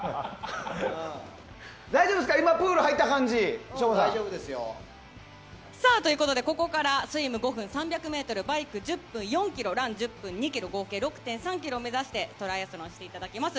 大丈夫ですかプール入った感じ。ということで、ここからスイム５分、３００ｍバイク１０分、４ｋｍラン１０分、６ｋｍ合計６．３ｋｍを目指してトライアスロンしていただきます。